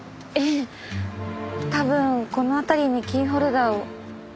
多分この辺りにキーホルダーを。